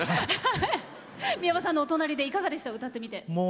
三山さんのお隣でどうでした？